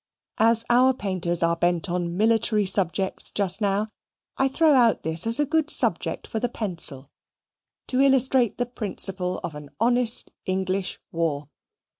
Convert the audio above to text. As our painters are bent on military subjects just now, I throw out this as a good subject for the pencil, to illustrate the principle of an honest English war.